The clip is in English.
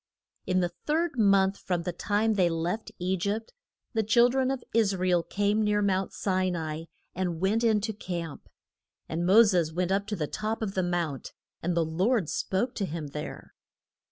In the third month from the time they left E gypt, the chil dren of Is ra el came near Mount Si na i, and went in to camp. And Mo ses went up to the top of the Mount, and the Lord spoke to him there.